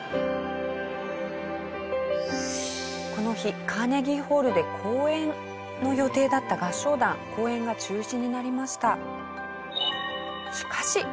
この日カーネギーホールで公演の予定だった合唱団公演が中止になりました。